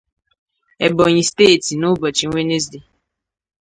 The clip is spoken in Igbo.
Ebonyi steeti n’ụbọchị Wenesde.